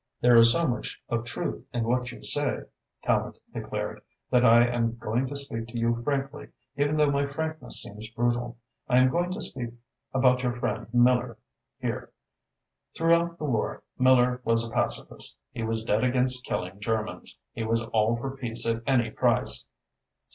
"There is so much of truth in what you say," Tallente declared, "that I am going to speak to you frankly, even though my frankness seems brutal. I am going to speak about your friend Miller here. Throughout the war, Miller was a pacifist. He was dead against killing Germans. He was all for a peace at any price."